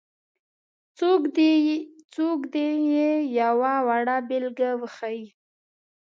څوک دې یې یوه وړه بېلګه وښيي.